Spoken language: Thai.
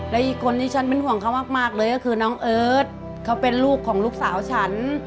และอีกคนที่ฉันเป็นห่วงเขามากเลยก็คือน้องเอิร์ทเขาเป็นลูกของลูกสาวฉัน